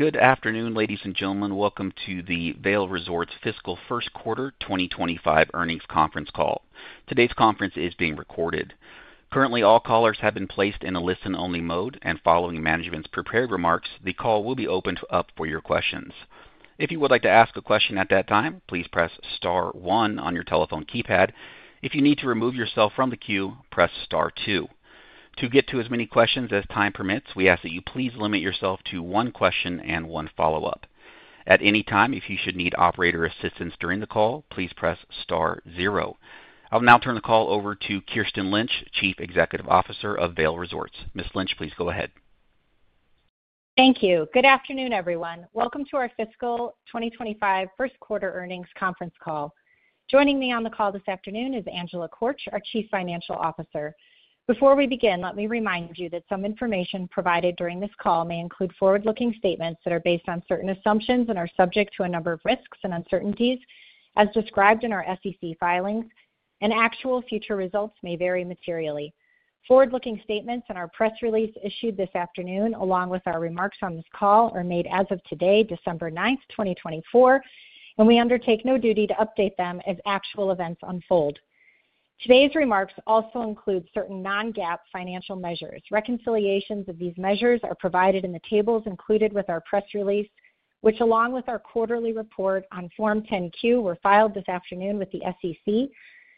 Good afternoon, ladies and gentlemen. Welcome to the Vail Resorts Fiscal First Quarter 2025 Earnings Conference Call. Today's conference is being recorded. Currently, all callers have been placed in a listen-only mode, and following management's prepared remarks, the call will be opened up for your questions. If you would like to ask a question at that time, please press Star 1 on your telephone keypad. If you need to remove yourself from the queue, press Star 2. To get to as many questions as time permits, we ask that you please limit yourself to one question and one follow-up. At any time, if you should need operator assistance during the call, please press Star 0. I'll now turn the call over to Kirsten Lynch, Chief Executive Officer of Vail Resorts. Ms. Lynch, please go ahead. Thank you. Good afternoon, everyone. Welcome to our Fiscal 2025 First Quarter earnings conference call. Joining me on the call this afternoon is Angela Korch, our Chief Financial Officer. Before we begin, let me remind you that some information provided during this call may include forward-looking statements that are based on certain assumptions and are subject to a number of risks and uncertainties, as described in our SEC filings, and actual future results may vary materially. Forward-looking statements in our press release issued this afternoon, along with our remarks on this call, are made as of today, December 9, 2024, and we undertake no duty to update them as actual events unfold. Today's remarks also include certain non-GAAP financial measures. Reconciliations of these measures are provided in the tables included with our press release, which, along with our quarterly report on Form 10-Q, were filed this afternoon with the SEC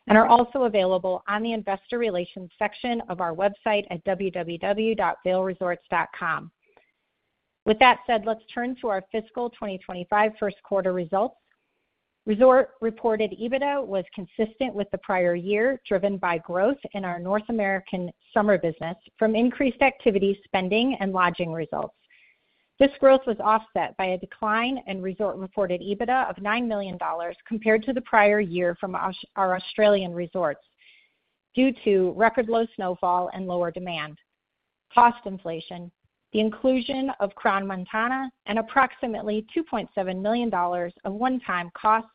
and are also available on the Investor Relations section of our website at www.vailresorts.com. With that said, let's turn to our Fiscal 2025 First Quarter results. Resort Reported EBITDA was consistent with the prior year, driven by growth in our North American summer business from increased activity, spending, and lodging results. This growth was offset by a decline in Resort Reported EBITDA of $9 million compared to the prior year from our Australian resorts due to record-low snowfall and lower demand. Cost inflation, the inclusion of Crans-Montana, and approximately $2.7 million of one-time costs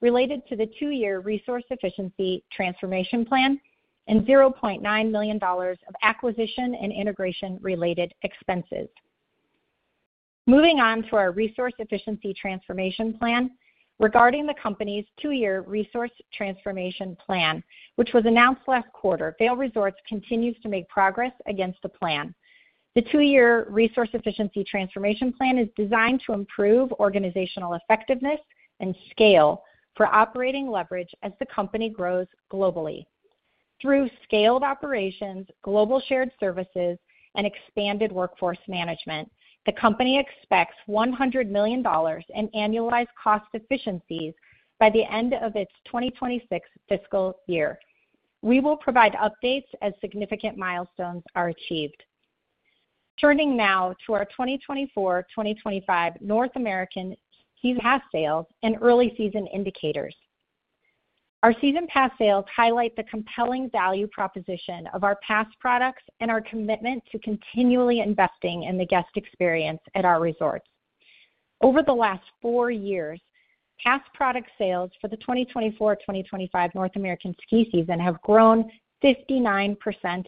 related to the two-year resource efficiency transformation plan, and $0.9 million of acquisition and integration-related expenses. Moving on to our resource efficiency transformation plan, regarding the company's two-year resource transformation plan, which was announced last quarter, Vail Resorts continues to make progress against the plan. The two-year resource efficiency transformation plan is designed to improve organizational effectiveness and scale for operating leverage as the company grows globally. Through scaled operations, global shared services, and expanded workforce management, the company expects $100 million in annualized cost efficiencies by the end of its 2026 fiscal year. We will provide updates as significant milestones are achieved. Turning now to our 2024-2025 North American season pass sales and early season indicators. Our season pass sales highlight the compelling value proposition of our pass products and our commitment to continually investing in the guest experience at our resorts. Over the last four years, pass product sales for the 2024-2025 North American ski season have grown 59%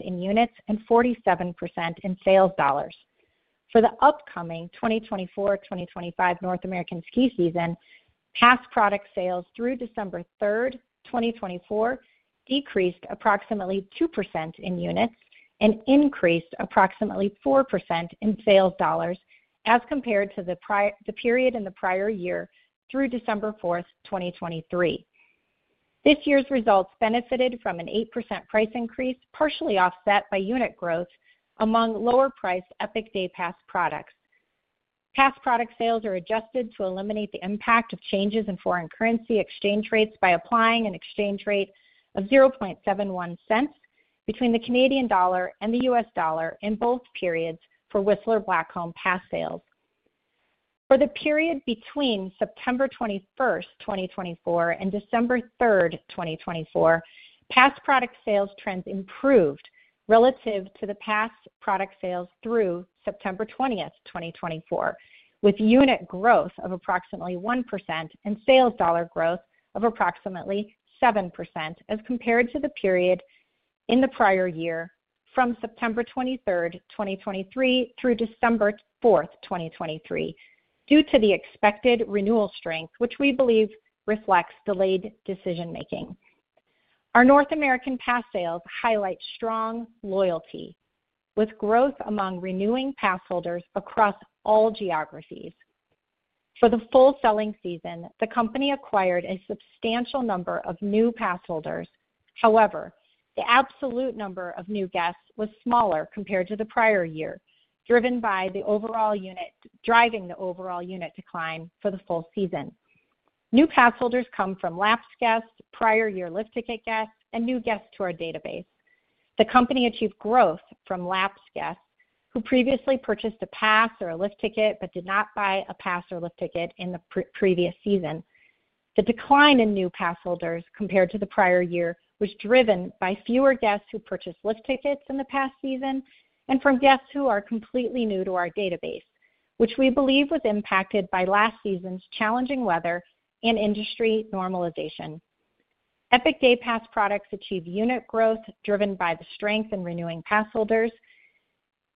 in units and 47% in sales dollars. For the upcoming 2024-2025 North American ski season, pass product sales through December 3, 2024, decreased approximately 2% in units and increased approximately 4% in sales dollars as compared to the period in the prior year through December 4, 2023. This year's results benefited from an 8% price increase, partially offset by unit growth among lower-priced Epic Day Pass products. Pass product sales are adjusted to eliminate the impact of changes in foreign currency exchange rates by applying an exchange rate of 0.71 cents between the Canadian dollar and the US dollar in both periods for Whistler Blackcomb Pass sales. For the period between September 21, 2024, and December 3, 2024, pass product sales trends improved relative to the pass product sales through September 20, 2024, with unit growth of approximately 1% and sales dollar growth of approximately 7% as compared to the period in the prior year from September 23, 2023, through December 4, 2023, due to the expected renewal strength, which we believe reflects delayed decision-making. Our North American pass sales highlight strong loyalty, with growth among renewing pass holders across all geographies. For the full selling season, the company acquired a substantial number of new pass holders. However, the absolute number of new guests was smaller compared to the prior year, driven by the overall unit decline for the full season. New pass holders come from lapsed guests, prior year lift ticket guests, and new guests to our database. The company achieved growth from lapsed guests, who previously purchased a pass or a lift ticket but did not buy a pass or lift ticket in the previous season. The decline in new pass holders compared to the prior year was driven by fewer guests who purchased lift tickets in the past season and from guests who are completely new to our database, which we believe was impacted by last season's challenging weather and industry normalization. Epic Day Pass products achieved unit growth driven by the strength in renewing pass holders.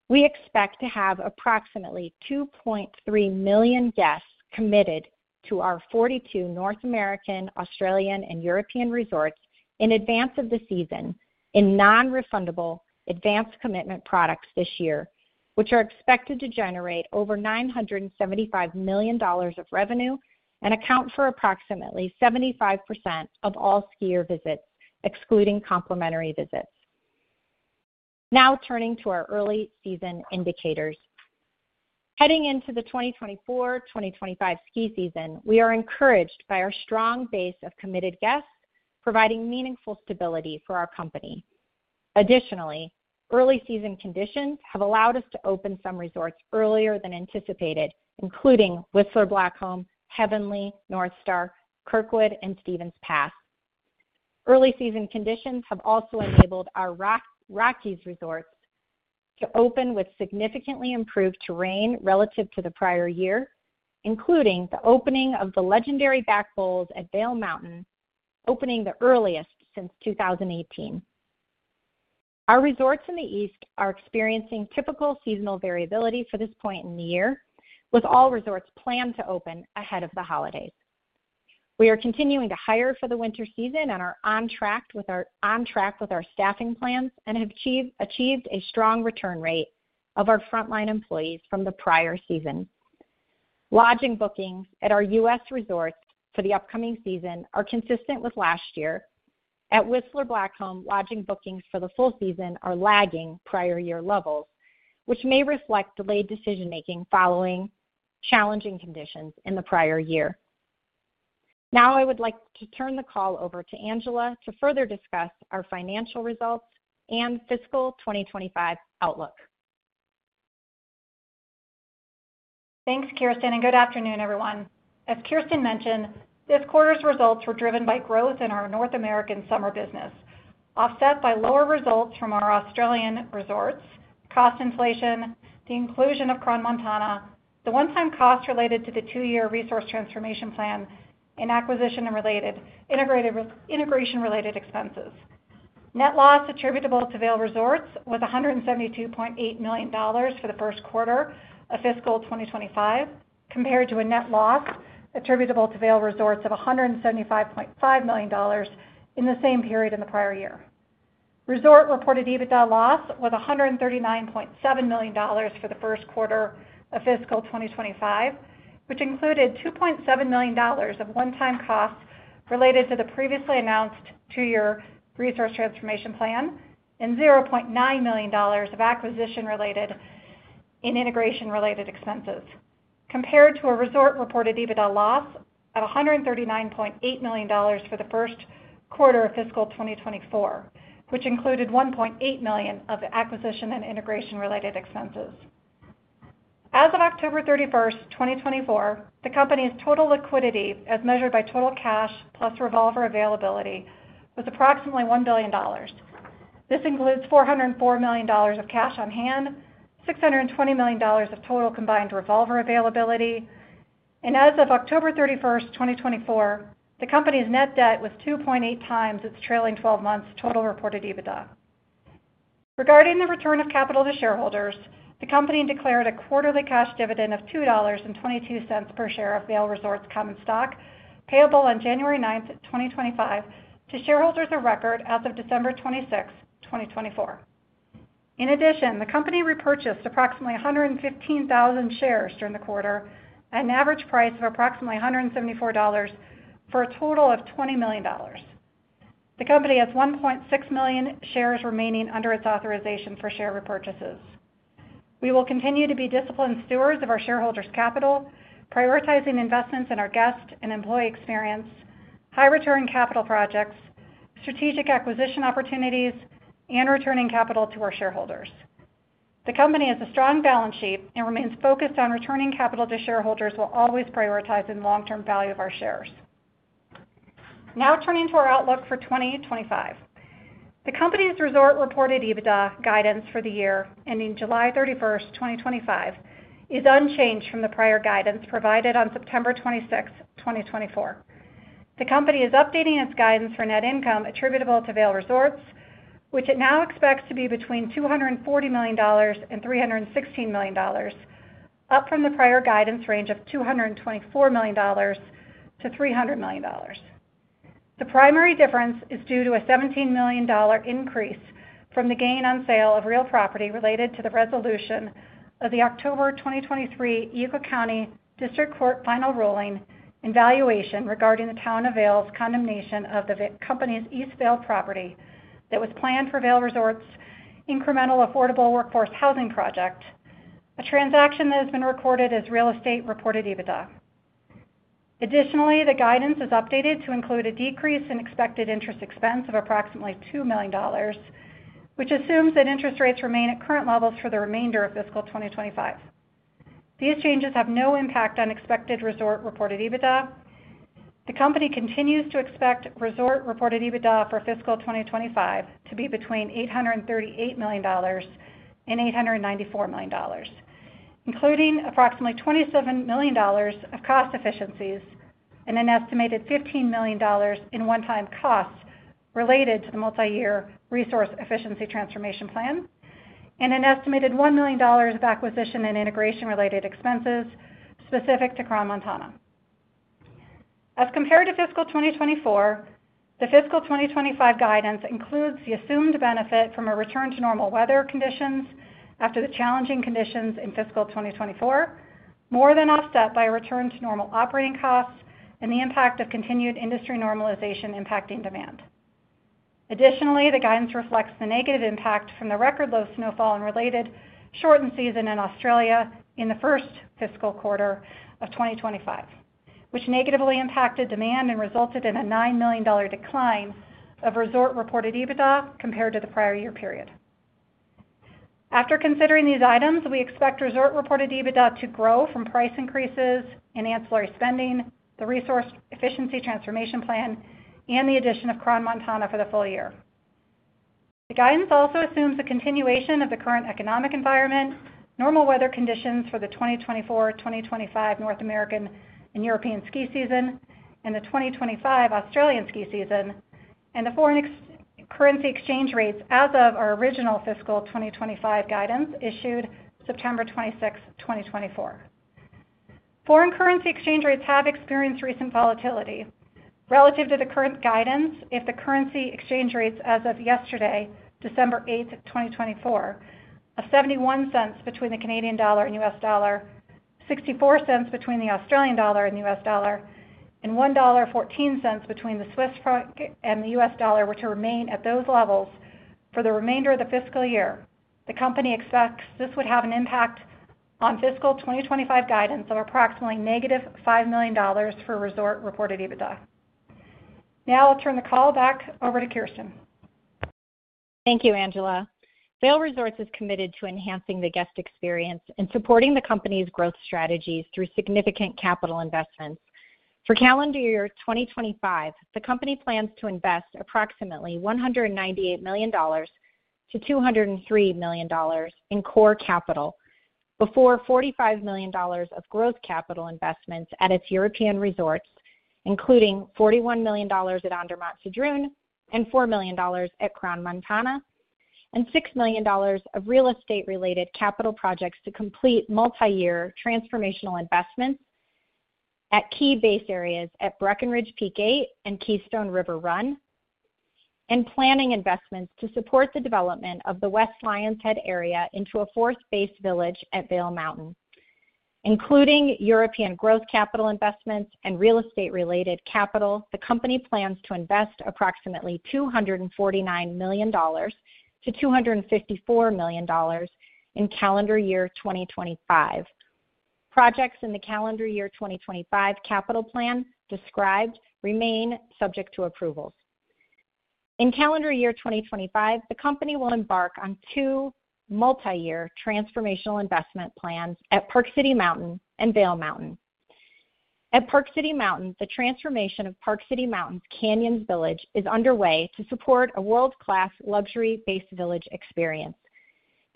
We expect to have approximately 2.3 million guests committed to our 42 North American, Australian, and European resorts in advance of the season in non-refundable advance commitment products this year, which are expected to generate over $975 million of revenue and account for approximately 75% of all skier visits, excluding complimentary visits. Now turning to our early season indicators. Heading into the 2024-2025 ski season, we are encouraged by our strong base of committed guests, providing meaningful stability for our company. Additionally, early season conditions have allowed us to open some resorts earlier than anticipated, including Whistler Blackcomb, Heavenly, Northstar, Kirkwood, and Stevens Pass. Early season conditions have also enabled our Rockies resorts to open with significantly improved terrain relative to the prior year, including the opening of the legendary Back Bowls at Vail Mountain, opening the earliest since 2018. Our resorts in the East are experiencing typical seasonal variability for this point in the year, with all resorts planned to open ahead of the holidays. We are continuing to hire for the winter season and are on track with our staffing plans and have achieved a strong return rate of our frontline employees from the prior season. Lodging bookings at our U.S. resorts for the upcoming season are consistent with last year. At Whistler Blackcomb, lodging bookings for the full season are lagging prior year levels, which may reflect delayed decision-making following challenging conditions in the prior year. Now I would like to turn the call over to Angela to further discuss our financial results and fiscal 2025 outlook. Thanks, Kirsten, and good afternoon, everyone. As Kirsten mentioned, this quarter's results were driven by growth in our North American summer business, offset by lower results from our Australian resorts, cost inflation, the inclusion of Crans-Montana, the one-time costs related to the two-year resource transformation plan, and acquisition-related integration-related expenses. Net loss attributable to Vail Resorts was $172.8 million for the first quarter of Fiscal 2025, compared to a net loss attributable to Vail Resorts of $175.5 million in the same period in the prior year. Resort reported EBITDA loss was $139.7 million for the first quarter of fiscal 2025, which included $2.7 million of one-time costs related to the previously announced two-year resource transformation plan and $0.9 million of acquisition-related and integration-related expenses, compared to a resort reported EBITDA loss of $139.8 million for the first quarter of fiscal 2024, which included $1.8 million of acquisition and integration-related expenses. As of October 31, 2024, the company's total liquidity, as measured by total cash plus revolver availability, was approximately $1 billion. This includes $404 million of cash on hand, $620 million of total combined revolver availability, and as of October 31, 2024, the company's net debt was 2.8 times its trailing 12 months' total reported EBITDA. Regarding the return of capital to shareholders, the company declared a quarterly cash dividend of $2.22 per share of Vail Resorts Common Stock, payable on January 9, 2025, to shareholders of record as of December 26, 2024. In addition, the company repurchased approximately 115,000 shares during the quarter at an average price of approximately $174 for a total of $20 million. The company has 1.6 million shares remaining under its authorization for share repurchases. We will continue to be disciplined stewards of our shareholders' capital, prioritizing investments in our guest and employee experience, high-returning capital projects, strategic acquisition opportunities, and returning capital to our shareholders. The company has a strong balance sheet and remains focused on returning capital to shareholders while always prioritizing the long-term value of our shares. Now turning to our outlook for 2025. The company's Resort Reported EBITDA guidance for the year ending July 31, 2025, is unchanged from the prior guidance provided on September 26, 2024. The company is updating its guidance for net income attributable to Vail Resorts, which it now expects to be between $240 million and $316 million, up from the prior guidance range of $224 million-$300 million. The primary difference is due to a $17 million increase from the gain on sale of real property related to the resolution of the October 2023 Eagle County District Court final ruling and valuation regarding the Town of Vail's condemnation of the company's East Vail property that was planned for Vail Resorts' incremental affordable workforce housing project, a transaction that has been recorded as Real Estate Reported EBITDA. Additionally, the guidance is updated to include a decrease in expected interest expense of approximately $2 million, which assumes that interest rates remain at current levels for the remainder of fiscal 2025. These changes have no impact on expected resort reported EBITDA. The company continues to expect resort reported EBITDA for fiscal 2025 to be between $838 million and $894 million, including approximately $27 million of cost efficiencies and an estimated $15 million in one-time costs related to the multi-year resource efficiency transformation plan, and an estimated $1 million of acquisition and integration-related expenses specific to Crans-Montana. As compared to fiscal 2024, the fiscal 2025 guidance includes the assumed benefit from a return to normal weather conditions after the challenging conditions in fiscal 2024, more than offset by a return to normal operating costs and the impact of continued industry normalization impacting demand. Additionally, the guidance reflects the negative impact from the record low snowfall and related shortened season in Australia in the first fiscal quarter of 2025, which negatively impacted demand and resulted in a $9 million decline of resort reported EBITDA compared to the prior year period. After considering these items, we expect resort reported EBITDA to grow from price increases in ancillary spending, the resource efficiency transformation plan, and the addition of Crans-Montana for the full year. The guidance also assumes a continuation of the current economic environment, normal weather conditions for the 2024-2025 North American and European ski season, and the 2025 Australian ski season, and the foreign currency exchange rates as of our original fiscal 2025 guidance issued September 26, 2024. Foreign currency exchange rates have experienced recent volatility. Relative to the current guidance, if the currency exchange rates as of yesterday, December 8, 2024, of $0.71 between the Canadian dollar and US dollar, $0.64 between the Australian dollar and US dollar, and $1.14 between the Swiss franc and the US dollar were to remain at those levels for the remainder of the fiscal year, the company expects this would have an impact on fiscal 2025 guidance of approximately -$5 million for Resort reported EBITDA. Now I'll turn the call back over to Kirsten. Thank you, Angela. Vail Resorts is committed to enhancing the guest experience and supporting the company's growth strategies through significant capital investments. For calendar year 2025, the company plans to invest approximately $198 million-$203 million in core capital before $45 million of growth capital investments at its European resorts, including $41 million at Andermatt-Sedrun and $4 million at Crans-Montana, and $6 million of real estate-related capital projects to complete multi-year transformational investments at key base areas at Breckenridge Peak 8 and Keystone River Run, and planning investments to support the development of the West Lionshead area into a fourth base village at Vail Mountain. Including European growth capital investments and real estate-related capital, the company plans to invest approximately $249 million-$254 million in calendar year 2025. Projects in the calendar year 2025 capital plan described remain subject to approvals. In calendar year 2025, the company will embark on two multi-year transformational investment plans at Park City Mountain and Vail Mountain. At Park City Mountain, the transformation of Park City Mountain's Canyons Village is underway to support a world-class luxury base village experience.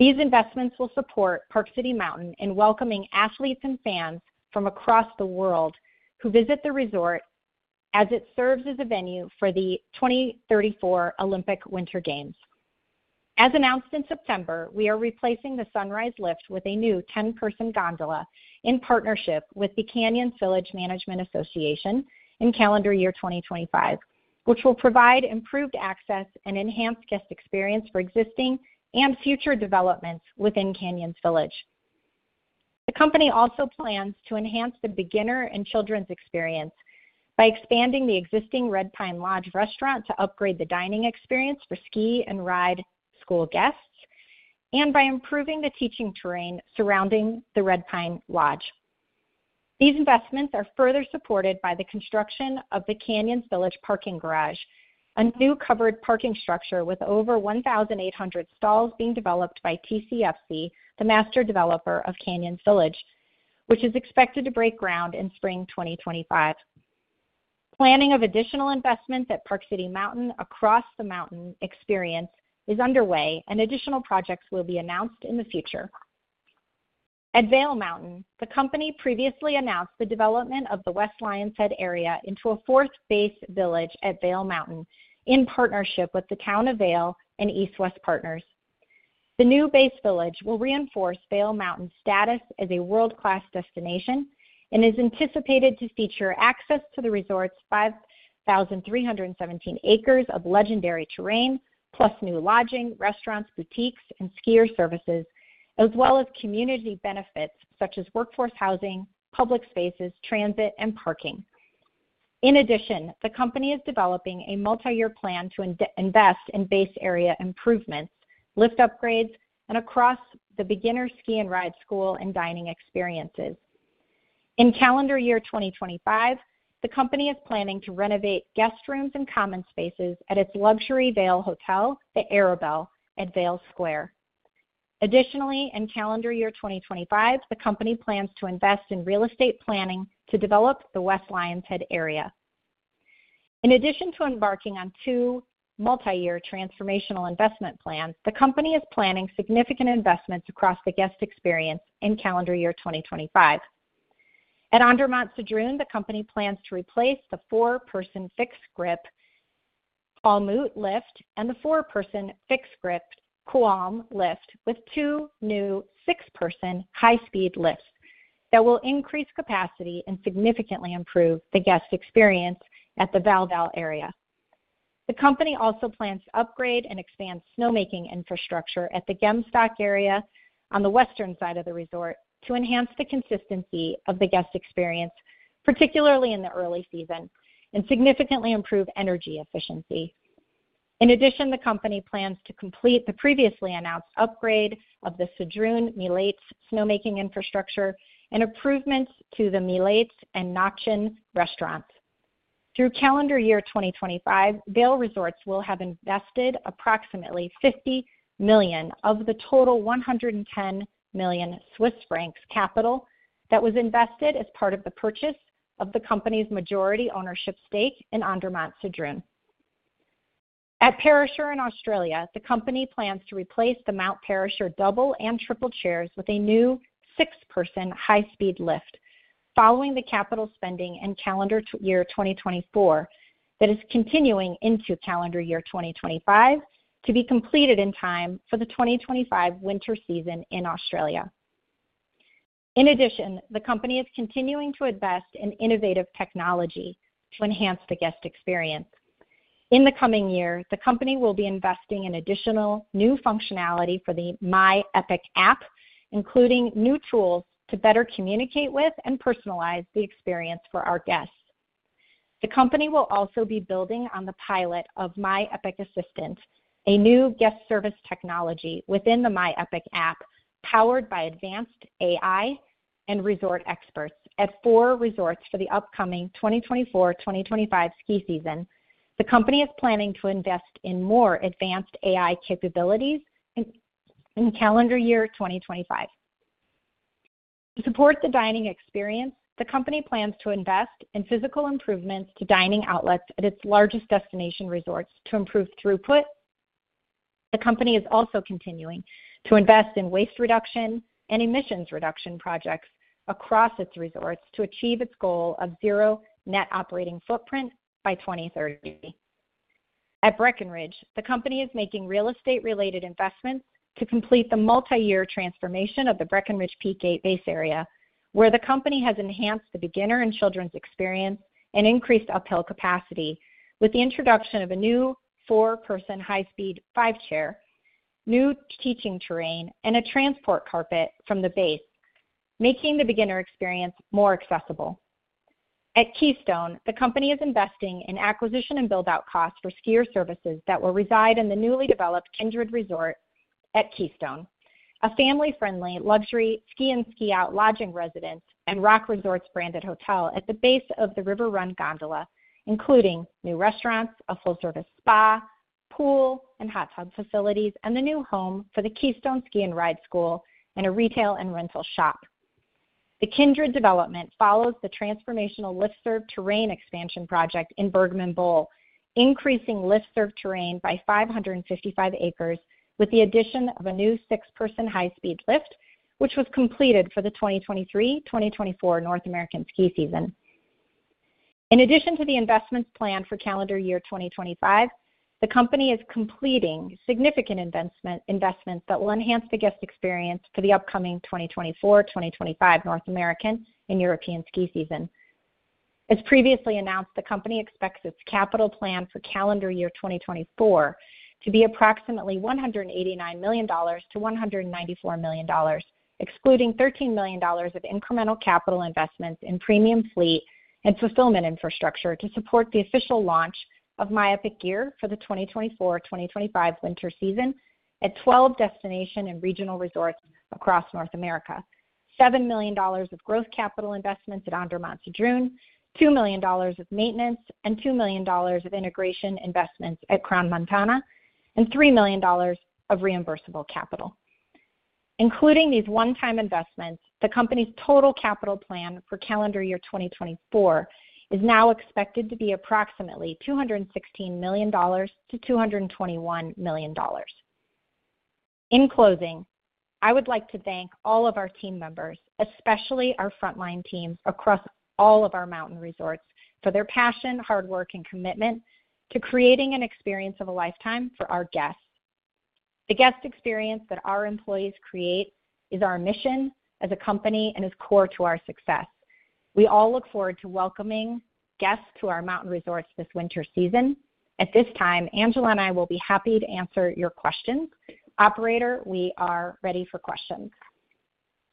These investments will support Park City Mountain in welcoming athletes and fans from across the world who visit the resort as it serves as a venue for the 2034 Olympic Winter Games. As announced in September, we are replacing the Sunrise Lift with a new 10-person gondola in partnership with the Canyons Village Management Association in calendar year 2025, which will provide improved access and enhanced guest experience for existing and future developments within Canyons Village. The company also plans to enhance the beginner and children's experience by expanding the existing Red Pine Lodge restaurant to upgrade the dining experience for ski and ride school guests, and by improving the teaching terrain surrounding the Red Pine Lodge. These investments are further supported by the construction of the Canyons Village parking garage, a new covered parking structure with over 1,800 stalls being developed by TCFC, the master developer of Canyons Village, which is expected to break ground in spring 2025. Planning of additional investments at Park City Mountain across the mountain experience is underway, and additional projects will be announced in the future. At Vail Mountain, the company previously announced the development of the West Lionshead area into a fourth base village at Vail Mountain in partnership with the Town of Vail and East West Partners. The new base village will reinforce Vail Mountain's status as a world-class destination and is anticipated to feature access to the resort's 5,317 acres of legendary terrain, plus new lodging, restaurants, boutiques, and skier services, as well as community benefits such as workforce housing, public spaces, transit, and parking. In addition, the company is developing a multi-year plan to invest in base area improvements, lift upgrades, and across the beginner ski and ride school and dining experiences. In calendar year 2025, the company is planning to renovate guest rooms and common spaces at its luxury Vail hotel, the Arrabelle, at Vail Square. Additionally, in calendar year 2025, the company plans to invest in real estate planning to develop the West Lionshead area. In addition to embarking on two multi-year transformational investment plans, the company is planning significant investments across the guest experience in calendar year 2025. At Andermatt-Sedrun, the company plans to replace the four-person fixed grip Pazola Lift and the four-person fixed grip Cuolm Val Lift with two new six-person high-speed lifts that will increase capacity and significantly improve the guest experience at the Valtgeva area. The company also plans to upgrade and expand snowmaking infrastructure at the Gemsstock area on the western side of the resort to enhance the consistency of the guest experience, particularly in the early season, and significantly improve energy efficiency. In addition, the company plans to complete the previously announced upgrade of the Sedrun-Milez snowmaking infrastructure and improvements to the Milez and Nätschen restaurants. Through calendar year 2025, Vail Resorts will have invested approximately $50 million of the total 110 million Swiss francs capital that was invested as part of the purchase of the company's majority ownership stake in Andermatt-Sedrun. At Perisher in Australia, the company plans to replace the Mount Perisher double and triple chairs with a new six-person high-speed lift, following the capital spending in calendar year 2024 that is continuing into calendar year 2025, to be completed in time for the 2025 winter season in Australia. In addition, the company is continuing to invest in innovative technology to enhance the guest experience. In the coming year, the company will be investing in additional new functionality for the My Epic app, including new tools to better communicate with and personalize the experience for our guests. The company will also be building on the pilot of My Epic Assistant, a new guest service technology within the My Epic app, powered by advanced AI and resort experts at four resorts for the upcoming 2024-2025 ski season. The company is planning to invest in more advanced AI capabilities in calendar year 2025. To support the dining experience, the company plans to invest in physical improvements to dining outlets at its largest destination resorts to improve throughput. The company is also continuing to invest in waste reduction and emissions reduction projects across its resorts to achieve its goal of zero net operating footprint by 2030. At Breckenridge, the company is making real estate-related investments to complete the multi-year transformation of the Breckenridge Peak 8 base area, where the company has enhanced the beginner and children's experience and increased uphill capacity with the introduction of a new four-person high-speed quad chair, new teaching terrain, and a transport carpet from the base, making the beginner experience more accessible. At Keystone, the company is investing in acquisition and build-out costs for skier services that will reside in the newly developed Kindred Resort at Keystone, a family-friendly luxury ski-in/ski-out lodging residence and RockResorts branded hotel at the base of the Keystone River Run gondola, including new restaurants, a full-service spa, pool, and hot tub facilities, and the new home for the Keystone Ski and Ride School and a retail and rental shop. The Kindred development follows the transformational lift-served terrain expansion project in Bergman Bowl, increasing lift-served terrain by 555 acres with the addition of a new six-person high-speed lift, which was completed for the 2023-2024 North American ski season. In addition to the investments planned for calendar year 2025, the company is completing significant investments that will enhance the guest experience for the upcoming 2024-2025 North American and European ski season. As previously announced, the company expects its capital plan for calendar year 2024 to be approximately $189 million-$194 million, excluding $13 million of incremental capital investments in premium fleet and fulfillment infrastructure to support the official launch of My Epic Gear for the 2024-2025 winter season at 12 destination and regional resorts across North America, $7 million of growth capital investments at Andermatt-Sedrun, $2 million of maintenance, and $2 million of integration investments at Crans-Montana, and $3 million of reimbursable capital. Including these one-time investments, the company's total capital plan for calendar year 2024 is now expected to be approximately $216 million-$221 million. In closing, I would like to thank all of our team members, especially our frontline teams across all of our mountain resorts, for their passion, hard work, and commitment to creating an experience of a lifetime for our guests. The guest experience that our employees create is our mission as a company and is core to our success. We all look forward to welcoming guests to our mountain resorts this winter season. At this time, Angela and I will be happy to answer your questions. Operator, we are ready for questions.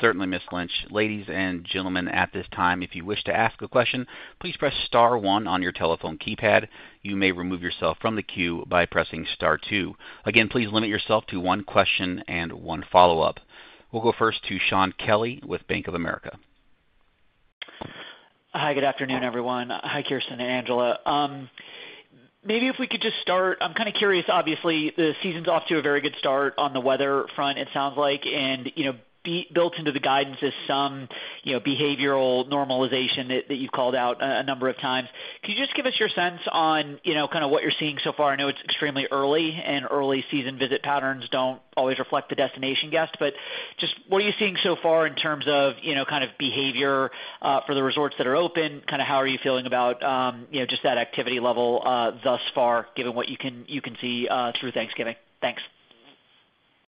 Certainly, Ms. Lynch. Ladies and gentlemen, at this time, if you wish to ask a question, please press star 1 on your telephone keypad. You may remove yourself from the queue by pressing star 2. Again, please limit yourself to one question and one follow-up. We'll go first to Shaun Kelley with Bank of America. Hi, good afternoon, everyone. Hi, Kirsten and Angela. Maybe if we could just start, I'm kind of curious, obviously, the season's off to a very good start on the weather front, it sounds like, and built into the guidance is some behavioral normalization that you've called out a number of times. Could you just give us your sense on kind of what you're seeing so far? I know it's extremely early, and early season visit patterns don't always reflect the destination guest, but just what are you seeing so far in terms of kind of behavior for the resorts that are open? Kind of how are you feeling about just that activity level thus far, given what you can see through Thanksgiving? Thanks.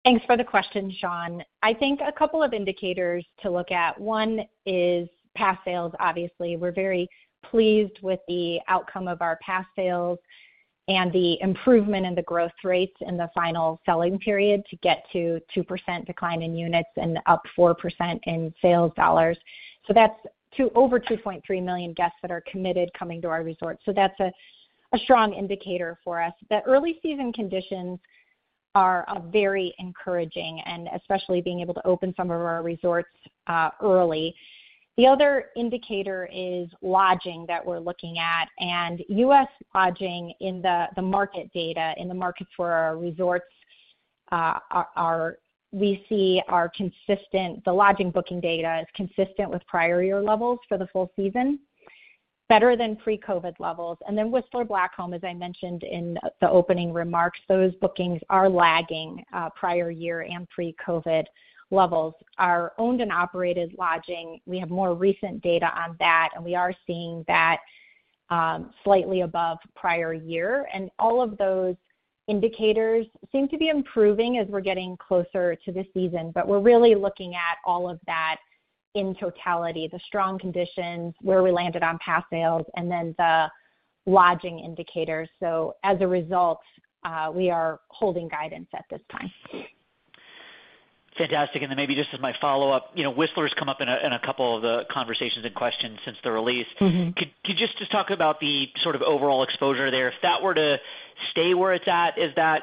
Thanks for the question, Sean. I think a couple of indicators to look at. One is pass sales, obviously. We're very pleased with the outcome of our pass sales and the improvement in the growth rates in the final selling period to get to 2% decline in units and up 4% in sales dollars. So that's over 2.3 million guests that are committed coming to our resort. So that's a strong indicator for us. The early season conditions are very encouraging, and especially being able to open some of our resorts early. The other indicator is lodging that we're looking at, and U.S. lodging in the market data, in the markets for our resorts, we see are consistent. The lodging booking data is consistent with prior year levels for the full season, better than pre-COVID levels. And then Whistler Blackcomb, as I mentioned in the opening remarks, those bookings are lagging prior year and pre-COVID levels. Our owned and operated lodging, we have more recent data on that, and we are seeing that slightly above prior year. And all of those indicators seem to be improving as we're getting closer to the season, but we're really looking at all of that in totality, the strong conditions, where we landed on pass sales, and then the lodging indicators. So as a result, we are holding guidance at this time. Fantastic. And then maybe just as my follow-up, Whistler's come up in a couple of the conversations and questions since the release. Could you just talk about the sort of overall exposure there? If that were to stay where it's at, is that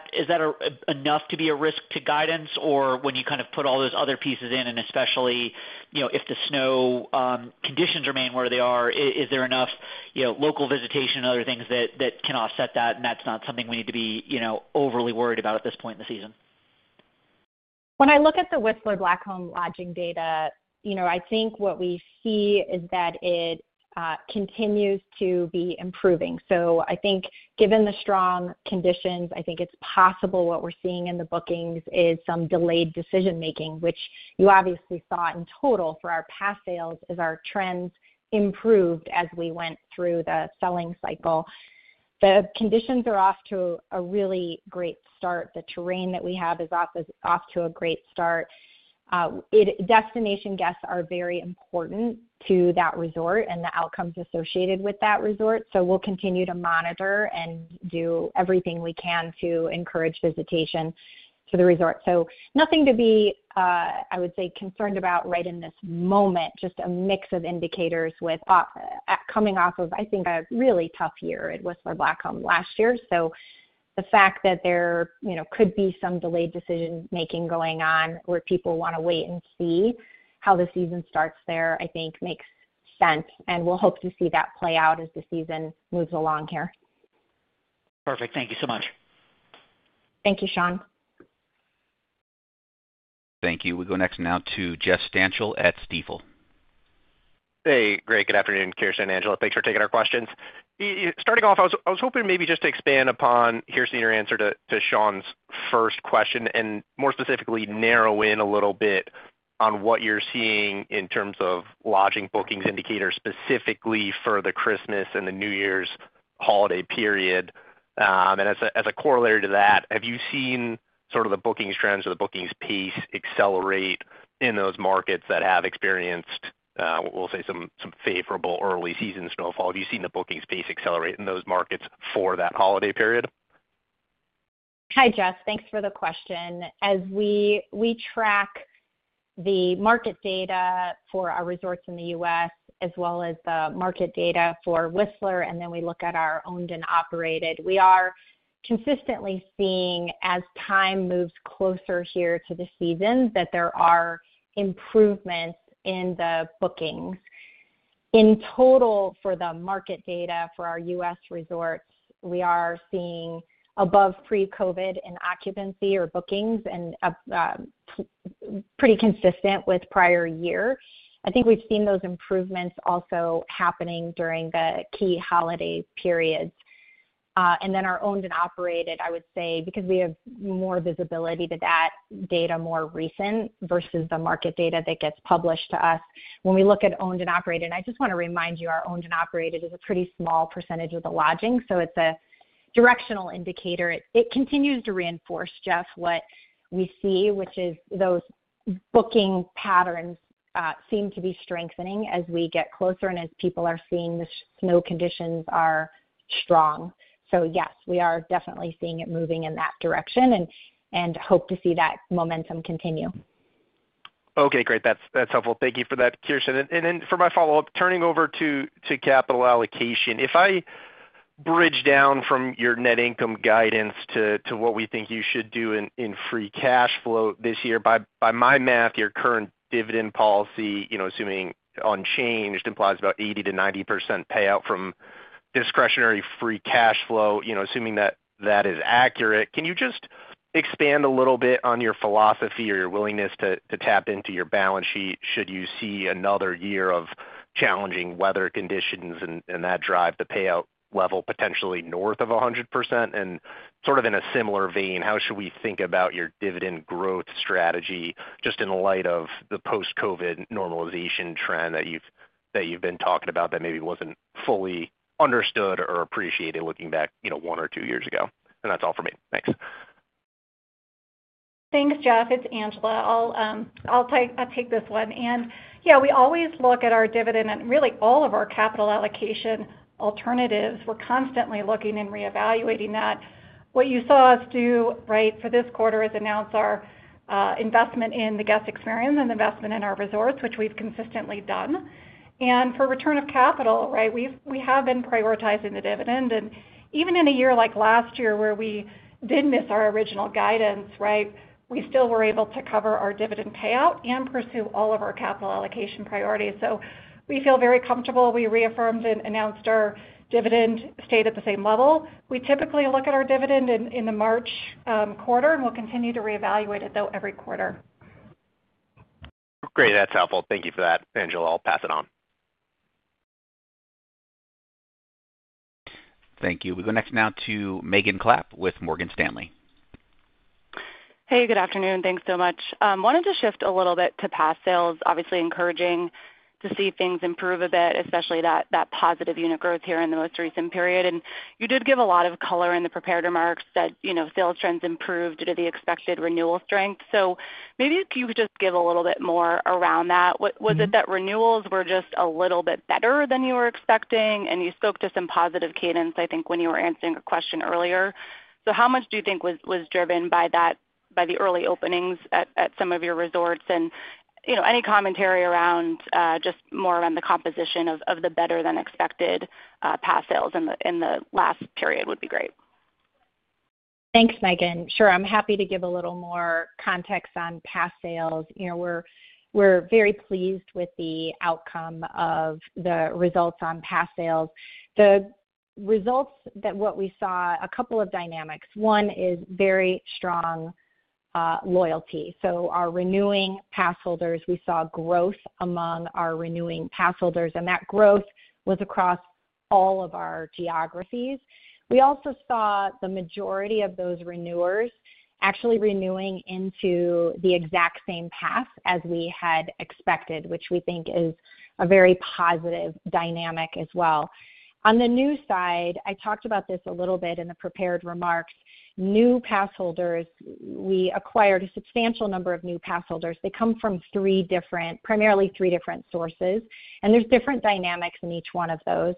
enough to be a risk to guidance, or when you kind of put all those other pieces in, and especially if the snow conditions remain where they are, is there enough local visitation and other things that can offset that, and that's not something we need to be overly worried about at this point in the season? When I look at the Whistler Blackcomb lodging data, I think what we see is that it continues to be improving. So I think given the strong conditions, I think it's possible what we're seeing in the bookings is some delayed decision-making, which you obviously saw in total for our pass sales as our trends improved as we went through the selling cycle. The conditions are off to a really great start. The terrain that we have is off to a great start. Destination guests are very important to that resort and the outcomes associated with that resort. So we'll continue to monitor and do everything we can to encourage visitation to the resort. So nothing to be, I would say, concerned about right in this moment, just a mix of indicators with coming off of, I think, a really tough year at Whistler Blackcomb last year. So the fact that there could be some delayed decision-making going on where people want to wait and see how the season starts there, I think makes sense, and we'll hope to see that play out as the season moves along here. Perfect. Thank you so much. Thank you, Sean. Thank you. We go next now to Jeff Stantial at Stifel. Hey, great. Good afternoon, Kirsten and Angela. Thanks for taking our questions. Starting off, I was hoping maybe just to expand upon hearsay in your answer to Sean's first question and more specifically narrow in a little bit on what you're seeing in terms of lodging bookings indicators specifically for the Christmas and the New Year's holiday period, and as a corollary to that, have you seen sort of the bookings trends or the bookings pace accelerate in those markets that have experienced, we'll say, some favorable early season snowfall? Have you seen the bookings pace accelerate in those markets for that holiday period? Hi, Jess. Thanks for the question. As we track the market data for our resorts in the U.S. as well as the market data for Whistler, and then we look at our owned and operated, we are consistently seeing as time moves closer here to the season that there are improvements in the bookings. In total, for the market data for our U.S. resorts, we are seeing above pre-COVID in occupancy or bookings and pretty consistent with prior year. I think we've seen those improvements also happening during the key holiday periods. And then our owned and operated, I would say, because we have more visibility to that data more recent versus the market data that gets published to us. When we look at owned and operated, and I just want to remind you, our owned and operated is a pretty small percentage of the lodging, so it's a directional indicator. It continues to reinforce, Jeff, what we see, which is those booking patterns seem to be strengthening as we get closer and as people are seeing the snow conditions are strong, so yes, we are definitely seeing it moving in that direction and hope to see that momentum continue. Okay, great. That's helpful. Thank you for that, Kirsten. And then for my follow-up, turning over to capital allocation, if I bridge down from your net income guidance to what we think you should do in free cash flow this year, by my math, your current dividend policy, assuming unchanged, implies about 80%-90% payout from discretionary free cash flow, assuming that that is accurate. Can you just expand a little bit on your philosophy or your willingness to tap into your balance sheet should you see another year of challenging weather conditions and that drive the payout level potentially north of 100%? And sort of in a similar vein, how should we think about your dividend growth strategy just in light of the post-COVID normalization trend that you've been talking about that maybe wasn't fully understood or appreciated looking back one or two years ago? That's all for me. Thanks. Thanks, Jeff. It's Angela. I'll take this one. And yeah, we always look at our dividend and really all of our capital allocation alternatives. We're constantly looking and reevaluating that. What you saw us do, right, for this quarter is announce our investment in the guest experience and investment in our resorts, which we've consistently done. And for return of capital, right, we have been prioritizing the dividend. And even in a year like last year where we did miss our original guidance, right, we still were able to cover our dividend payout and pursue all of our capital allocation priorities. So we feel very comfortable. We reaffirmed and announced our dividend stayed at the same level. We typically look at our dividend in the March quarter, and we'll continue to reevaluate it, though, every quarter. Great. That's helpful. Thank you for that, Angela. I'll pass it on. Thank you. We go next now to Megan Alexander with Morgan Stanley. Hey, good afternoon. Thanks so much. Wanted to shift a little bit to pass sales, obviously encouraging to see things improve a bit, especially that positive unit growth here in the most recent period, and you did give a lot of color in the prepared remarks that sales trends improved due to the expected renewal strength, so maybe you could just give a little bit more around that. Was it that renewals were just a little bit better than you were expecting? And you spoke to some positive cadence, I think, when you were answering a question earlier, so how much do you think was driven by the early openings at some of your resorts? And any commentary around just more around the composition of the better-than-expected pass sales in the last period would be great. Thanks, Megan. Sure. I'm happy to give a little more context on pass sales. We're very pleased with the outcome of the results on pass sales. The results that we saw, a couple of dynamics. One is very strong loyalty. So our renewing pass holders, we saw growth among our renewing pass holders, and that growth was across all of our geographies. We also saw the majority of those renewers actually renewing into the exact same pass as we had expected, which we think is a very positive dynamic as well. On the new side, I talked about this a little bit in the prepared remarks. New pass holders, we acquired a substantial number of new pass holders. They come from primarily three different sources, and there's different dynamics in each one of those.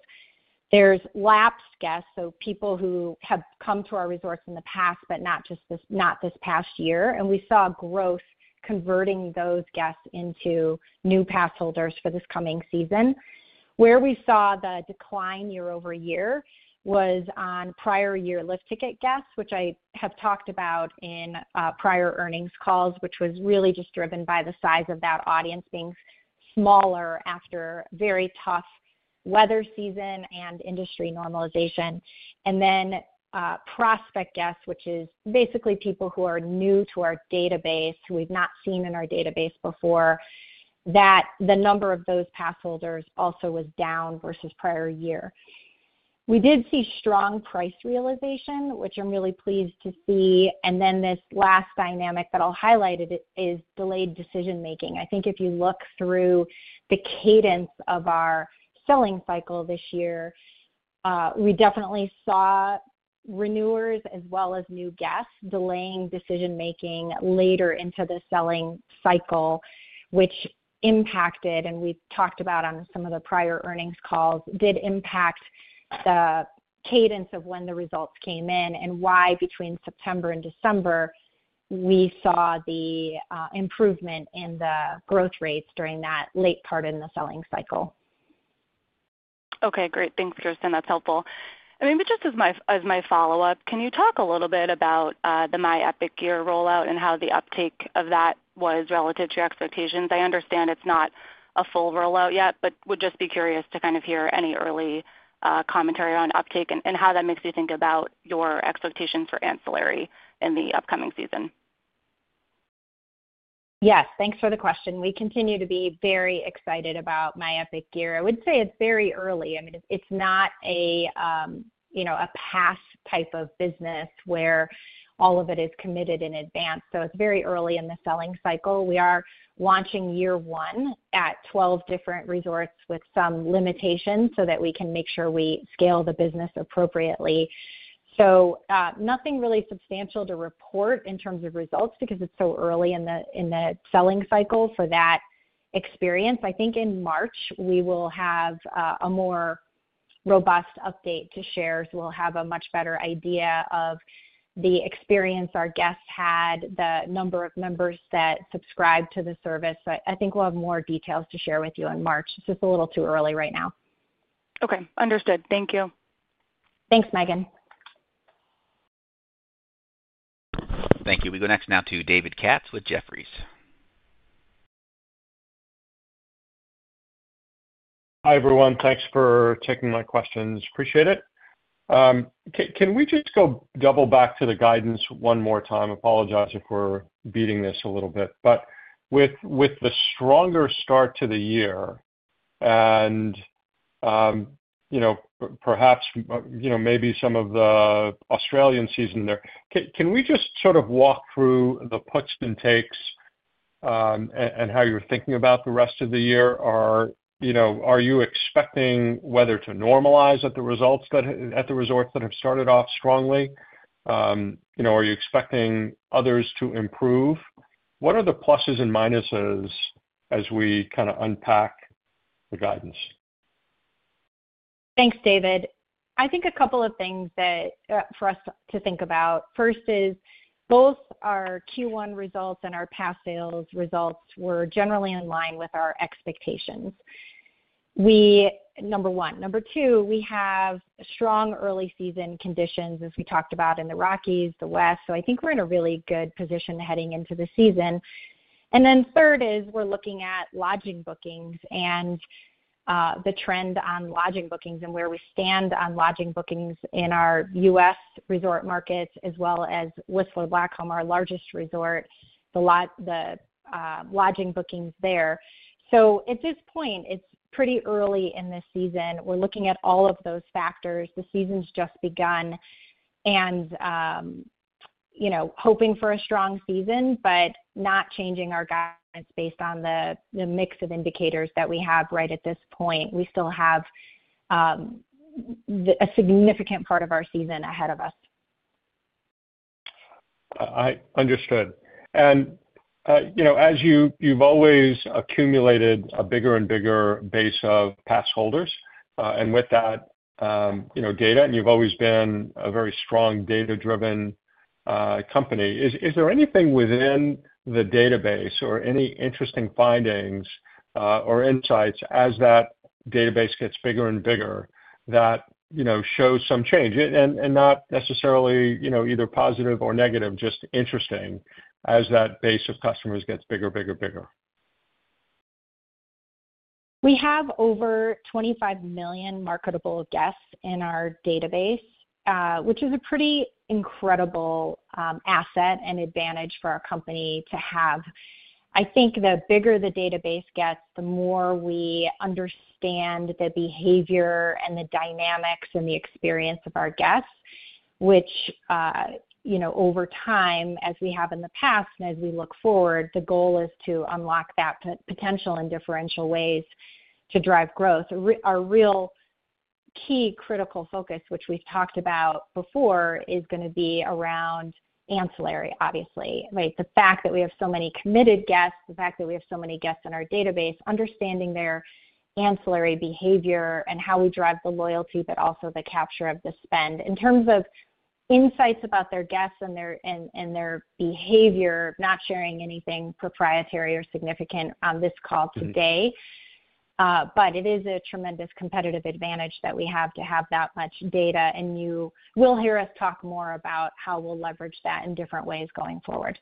There's lapsed guests, so people who have come to our resorts in the past, but not this past year. And we saw growth converting those guests into new pass holders for this coming season. Where we saw the decline year over year was on prior year lift ticket guests, which I have talked about in prior earnings calls, which was really just driven by the size of that audience being smaller after very tough weather season and industry normalization. And then prospect guests, which is basically people who are new to our database, who we've not seen in our database before, that the number of those pass holders also was down versus prior year. We did see strong price realization, which I'm really pleased to see. And then this last dynamic that I'll highlight is delayed decision-making. I think if you look through the cadence of our selling cycle this year, we definitely saw renewers as well as new guests delaying decision-making later into the selling cycle, which impacted, and we talked about on some of the prior earnings calls, did impact the cadence of when the results came in and why between September and December we saw the improvement in the growth rates during that late part in the selling cycle. Okay, great. Thanks, Kirsten. That's helpful. I mean, but just as my follow-up, can you talk a little bit about the My Epic Gear rollout and how the uptake of that was relative to your expectations? I understand it's not a full rollout yet, but would just be curious to kind of hear any early commentary on uptake and how that makes you think about your expectations for ancillary in the upcoming season. Yes, thanks for the question. We continue to be very excited about My Epic Gear. I would say it's very early. I mean, it's not a pass type of business where all of it is committed in advance. So it's very early in the selling cycle. We are launching year one at 12 different resorts with some limitations so that we can make sure we scale the business appropriately. So nothing really substantial to report in terms of results because it's so early in the selling cycle for that experience. I think in March, we will have a more robust update to share. So we'll have a much better idea of the experience our guests had, the number of members that subscribed to the service. I think we'll have more details to share with you in March. It's just a little too early right now. Okay. Understood. Thank you. Thanks, Megan. Thank you. We go next now to David Katz with Jefferies. Hi everyone. Thanks for taking my questions. Appreciate it. Can we just go double back to the guidance one more time? Apologize if we're beating this a little bit, but with the stronger start to the year and perhaps maybe some of the Australian season there, can we just sort of walk through the puts and takes and how you're thinking about the rest of the year? Are you expecting weather to normalize at the resorts that have started off strongly? Are you expecting others to improve? What are the pluses and minuses as we kind of unpack the guidance? Thanks, David. I think a couple of things for us to think about. First is both our Q1 results and our past sales results were generally in line with our expectations. Number one. Number two, we have strong early season conditions, as we talked about in the Rockies, the West. So I think we're in a really good position heading into the season. And then third is we're looking at lodging bookings and the trend on lodging bookings and where we stand on lodging bookings in our U.S. resort markets as well as Whistler Blackcomb, our largest resort, the lodging bookings there. So at this point, it's pretty early in the season. We're looking at all of those factors. The season's just begun and hoping for a strong season, but not changing our guidance based on the mix of indicators that we have right at this point. We still have a significant part of our season ahead of us. Understood, and as you've always accumulated a bigger and bigger base of pass holders and with that data, and you've always been a very strong data-driven company, is there anything within the database or any interesting findings or insights as that database gets bigger and bigger that shows some change, and not necessarily either positive or negative, just interesting as that base of customers gets bigger, bigger, bigger. We have over 25 million marketable guests in our database, which is a pretty incredible asset and advantage for our company to have. I think the bigger the database gets, the more we understand the behavior and the dynamics and the experience of our guests, which over time, as we have in the past and as we look forward, the goal is to unlock that potential in differential ways to drive growth. Our real key critical focus, which we've talked about before, is going to be around ancillary, obviously. The fact that we have so many committed guests, the fact that we have so many guests in our database, understanding their ancillary behavior and how we drive the loyalty, but also the capture of the spend. In terms of insights about their guests and their behavior, not sharing anything proprietary or significant on this call today, but it is a tremendous competitive advantage that we have to have that much data, and you will hear us talk more about how we'll leverage that in different ways going forward.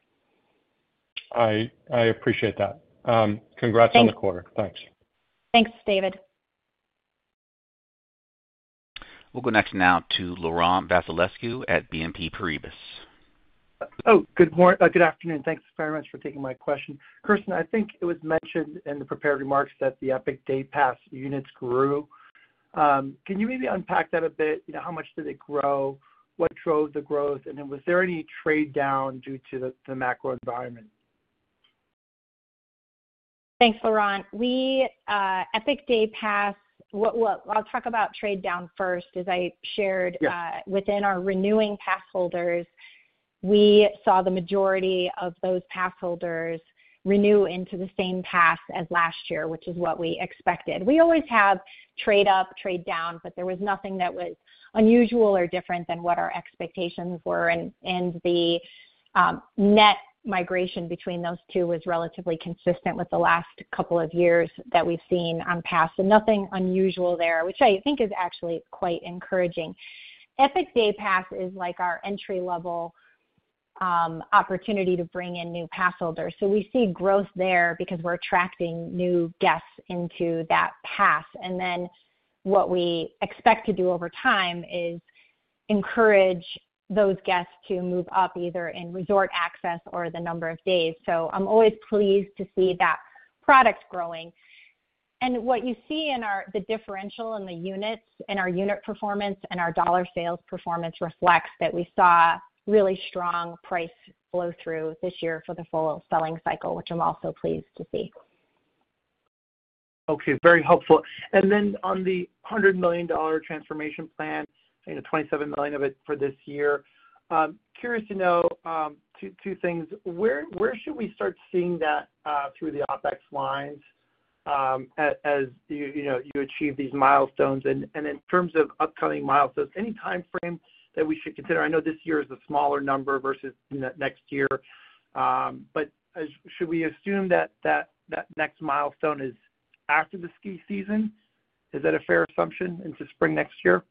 I appreciate that. Congrats on the quarter. Thanks. Thanks, David. We'll go next now to Laurent Vasilescu at BNP Paribas. Oh, good afternoon. Thanks very much for taking my question. Kirsten, I think it was mentioned in the prepared remarks that the Epic Day Pass units grew. Can you maybe unpack that a bit? How much did it grow? What drove the growth? And then was there any trade down due to the macro environment? Thanks, Laurent. Epic Day Pass, I'll talk about trade down first. As I shared, within our renewing pass holders, we saw the majority of those pass holders renew into the same pass as last year, which is what we expected. We always have trade up, trade down, but there was nothing that was unusual or different than what our expectations were. And the net migration between those two was relatively consistent with the last couple of years that we've seen on pass. So nothing unusual there, which I think is actually quite encouraging. Epic Day Pass is like our entry-level opportunity to bring in new pass holders. So we see growth there because we're attracting new guests into that pass. And then what we expect to do over time is encourage those guests to move up either in resort access or the number of days. So I'm always pleased to see that product growing. And what you see in the differential in the units and our unit performance and our dollar sales performance reflects that we saw really strong price flow through this year for the full selling cycle, which I'm also pleased to see. Okay. Very helpful. And then on the $100 million transformation plan, $27 million of it for this year, curious to know two things. Where should we start seeing that through the OpEx lines as you achieve these milestones? And in terms of upcoming milestones, any timeframe that we should consider? I know this year is a smaller number versus next year, but should we assume that that next milestone is after the ski season? Is that a fair assumption into spring next year?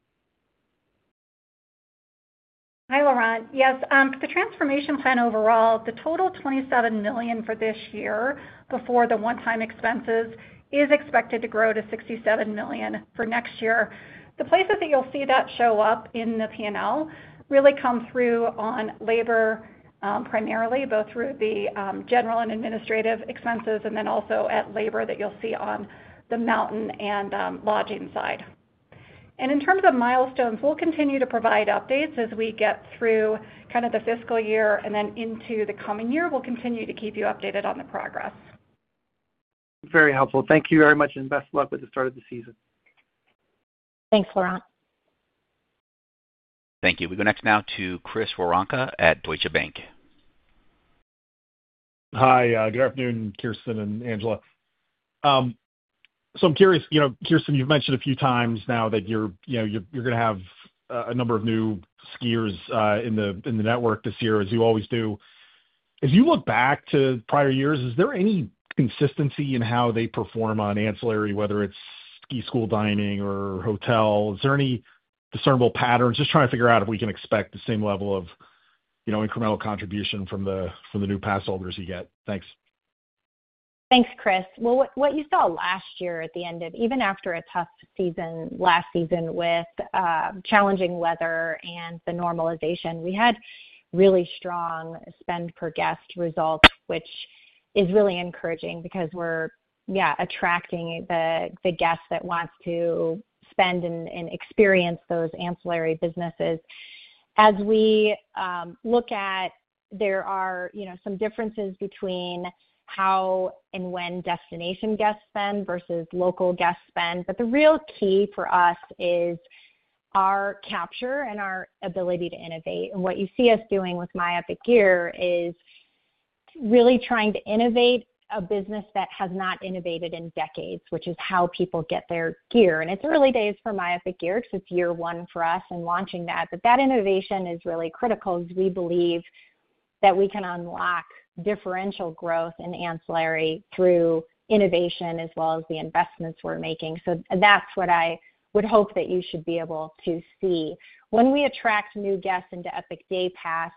Hi, Laurent. Yes. The transformation plan overall, the total $27 million for this year before the one-time expenses is expected to grow to $67 million for next year. The places that you'll see that show up in the P&L really come through on labor primarily, both through the general and administrative expenses, and then also at labor that you'll see on the mountain and lodging side. In terms of milestones, we'll continue to provide updates as we get through kind of the fiscal year and then into the coming year. We'll continue to keep you updated on the progress. Very helpful. Thank you very much and best of luck with the start of the season. Thanks, Laurent. Thank you. We go next now to Chris Woronka at Deutsche Bank. Hi. Good afternoon, Kirsten and Angela. So I'm curious, Kirsten. You've mentioned a few times now that you're going to have a number of new skiers in the network this year, as you always do. As you look back to prior years, is there any consistency in how they perform on ancillary, whether it's ski school, dining, or hotels? Is there any discernible patterns? Just trying to figure out if we can expect the same level of incremental contribution from the new pass holders you get. Thanks. Thanks, Chris. What you saw last year at the end of, even after a tough last season with challenging weather and the normalization, we had really strong spend per guest results, which is really encouraging because we're, yeah, attracting the guests that want to spend and experience those ancillary businesses. As we look at, there are some differences between how and when destination guests spend versus local guests spend. But the real key for us is our capture and our ability to innovate. What you see us doing with My Epic Gear is really trying to innovate a business that has not innovated in decades, which is how people get their gear. It's early days for My Epic Gear because it's year one for us and launching that. But that innovation is really critical as we believe that we can unlock differential growth in ancillary through innovation as well as the investments we're making. So that's what I would hope that you should be able to see. When we attract new guests into Epic Day Pass,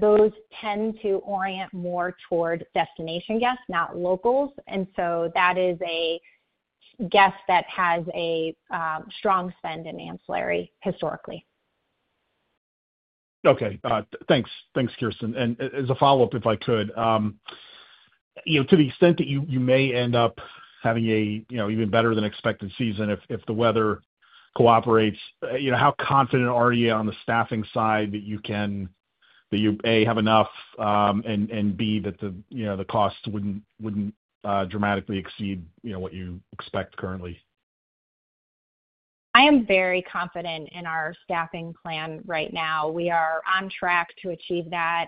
those tend to orient more toward destination guests, not locals. And so that is a guest that has a strong spend in ancillary historically. Okay. Thanks, Kirsten. As a follow-up, if I could, to the extent that you may end up having an even better than expected season if the weather cooperates, how confident are you on the staffing side that you can A, have enough, and B, that the costs wouldn't dramatically exceed what you expect currently? I am very confident in our staffing plan right now. We are on track to achieve that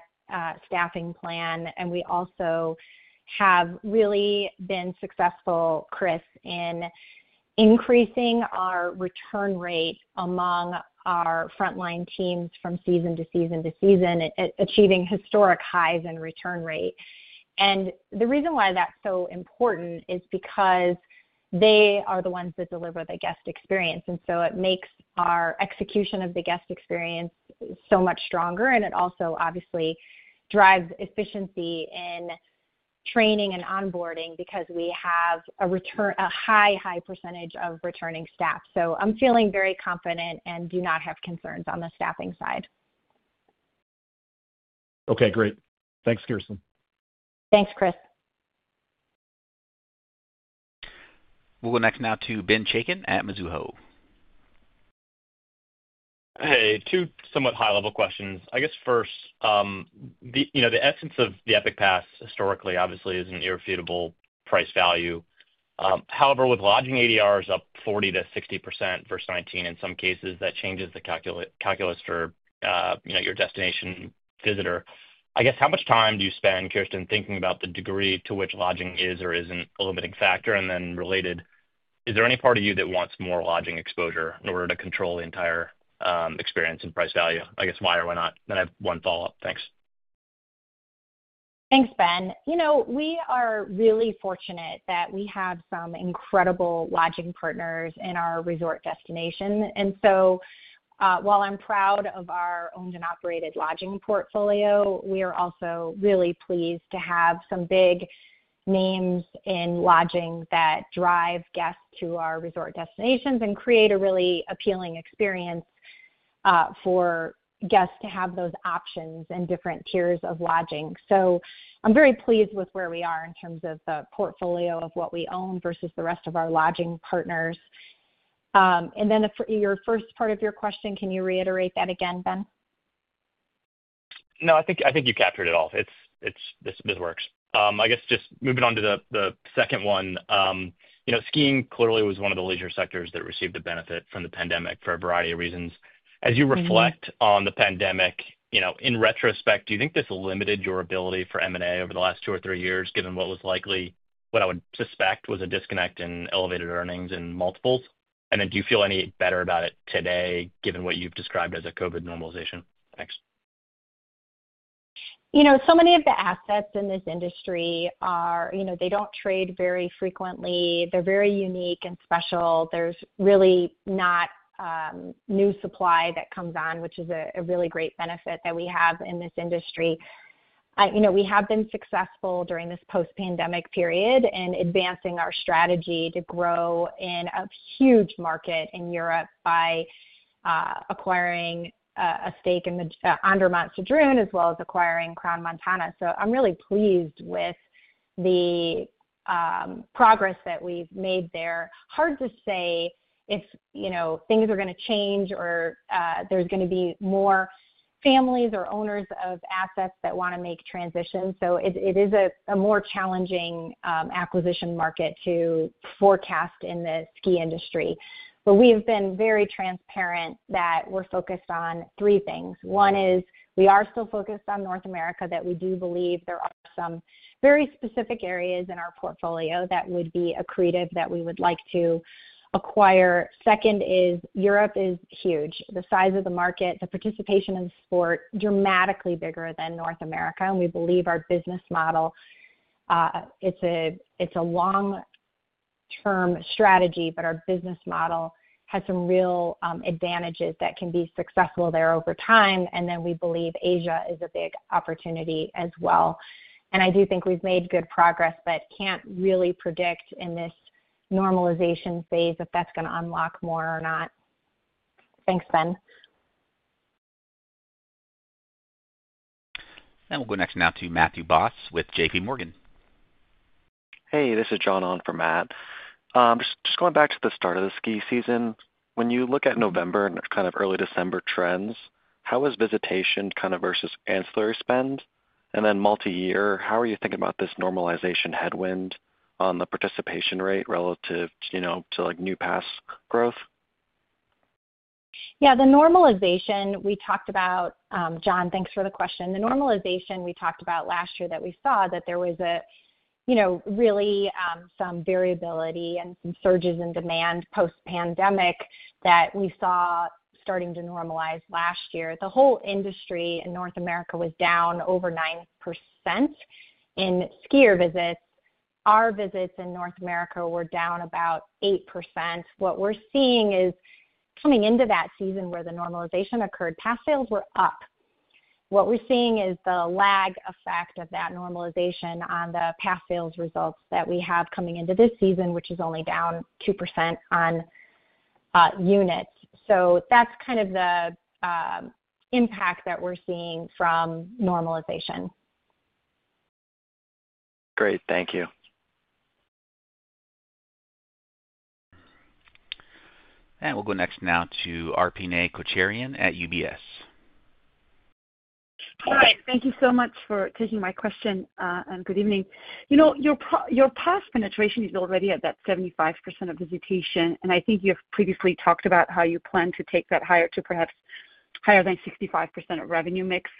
staffing plan, and we also have really been successful, Chris, in increasing our return rate among our frontline teams from season to season to season, achieving historic highs in return rate, and the reason why that's so important is because they are the ones that deliver the guest experience, and so it makes our execution of the guest experience so much stronger, and it also obviously drives efficiency in training and onboarding because we have a high, high percentage of returning staff, so I'm feeling very confident and do not have concerns on the staffing side. Okay. Great. Thanks, Kirsten. Thanks, Chris. We'll go next now to Ben Chaiken at Mizuho. Hey. Two somewhat high-level questions. I guess first, the essence of the Epic Pass historically, obviously, is an irrefutable price value. However, with lodging ADRs up 40%-60% versus 19 in some cases, that changes the calculus for your destination visitor. I guess how much time do you spend, Kirsten, thinking about the degree to which lodging is or isn't a limiting factor? And then related, is there any part of you that wants more lodging exposure in order to control the entire experience and price value? I guess why or why not? Then I have one follow-up. Thanks. Thanks, Ben. We are really fortunate that we have some incredible lodging partners in our resort destination and so while I'm proud of our owned and operated lodging portfolio, we are also really pleased to have some big names in lodging that drive guests to our resort destinations and create a really appealing experience for guests to have those options and different tiers of lodging so I'm very pleased with where we are in terms of the portfolio of what we own versus the rest of our lodging partners and then your first part of your question, can you reiterate that again, Ben? No, I think you captured it all. This works. I guess just moving on to the second one. Skiing clearly was one of the leisure sectors that received a benefit from the pandemic for a variety of reasons. As you reflect on the pandemic, in retrospect, do you think this limited your ability for M&A over the last two or three years, given what was likely, what I would suspect was a disconnect in elevated earnings and multiples? And then do you feel any better about it today, given what you've described as a COVID normalization? Thanks. So many of the assets in this industry, they don't trade very frequently. They're very unique and special. There's really not new supply that comes on, which is a really great benefit that we have in this industry. We have been successful during this post-pandemic period in advancing our strategy to grow in a huge market in Europe by acquiring a stake in Andermatt-Sedrun as well as acquiring Crans-Montana. So I'm really pleased with the progress that we've made there. Hard to say if things are going to change or there's going to be more families or owners of assets that want to make transitions. So it is a more challenging acquisition market to forecast in the ski industry. But we have been very transparent that we're focused on three things. One is we are still focused on North America, that we do believe there are some very specific areas in our portfolio that would be accretive that we would like to acquire. Second is Europe is huge. The size of the market, the participation in the sport, dramatically bigger than North America. We believe our business model, it's a long-term strategy, but our business model has some real advantages that can be successful there over time. Then we believe Asia is a big opportunity as well. I do think we've made good progress, but can't really predict in this normalization phase if that's going to unlock more or not. Thanks, Ben. And we'll go next now to Matthew Boss with JPMorgan. Hey, this is John Ong for Matt. Just going back to the start of the ski season, when you look at November and kind of early December trends, how is visitation kind of versus ancillary spend? And then multi-year, how are you thinking about this normalization headwind on the participation rate relative to new pass growth? Yeah. The normalization we talked about, John, thanks for the question. The normalization we talked about last year that we saw that there was really some variability and some surges in demand post-pandemic that we saw starting to normalize last year. The whole industry in North America was down over 9% in skier visits. Our visits in North America were down about 8%. What we're seeing is coming into that season where the normalization occurred, pass sales were up. What we're seeing is the lag effect of that normalization on the pass sales results that we have coming into this season, which is only down 2% on units. So that's kind of the impact that we're seeing from normalization. Great. Thank you. We'll go next now to Arpine Kocharyan at UBS. All right. Thank you so much for taking my question, and good evening. Your pass penetration is already at that 75% of visitation, and I think you've previously talked about how you plan to take that higher to perhaps higher than 65% of revenue mix.